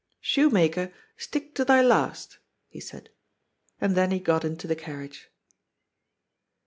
" Shoemaker, stick to thy last," he said. And then he got into the carriage.